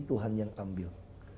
tuhan yang ambil